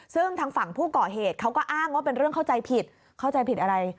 ซึ่งทางฝั่งผู้ก่อเหตุเขาก็อ้างว่าเป็นเรื่องเข้าใจผิดเข้าใจผิดอะไร